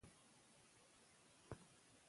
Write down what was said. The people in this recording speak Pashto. ځینې روباټونه انسان ته ورته دي.